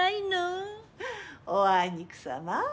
おあいにくさま。